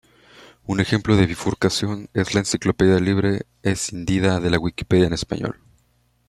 Un ejemplo de bifurcación es la Enciclopedia Libre escindida de la Wikipedia en español.